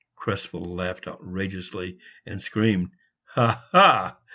Krespel laughed outrageously and screamed: "Ha! ha!